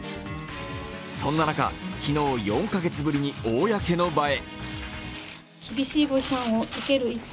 そんな中、昨日、４カ月ぶりに公の場へ。